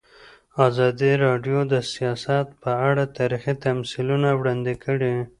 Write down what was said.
ازادي راډیو د سیاست په اړه تاریخي تمثیلونه وړاندې کړي.